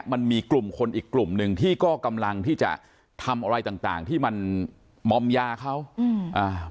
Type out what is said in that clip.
มันมีกลุ่มคนอีกกลุ่มหนึ่งที่ก็กำลังที่จะทำอะไรต่างต่างที่มันมอมยาเขาอืมอ่า